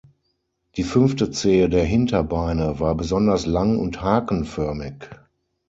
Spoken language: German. Die fünfte Zehe der Hinterbeine war besonders lang und hakenförmig.